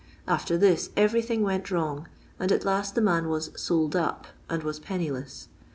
After this everything went wrong, and at last the man was " sold up," and was penniless.